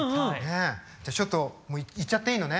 ちょっと行っちゃっていいのね。